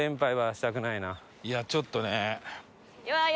いやちょっとね。